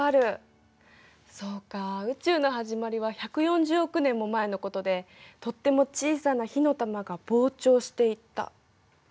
そうか「宇宙のはじまり」は１４０億年も前のことでとっても小さな火の玉が膨張していった。